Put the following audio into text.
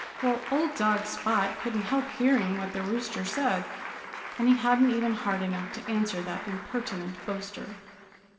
Well, old dog Spot couldn't help hearing what the Rooster said. And he hadn't even heart enough to answer that impertinent boaster.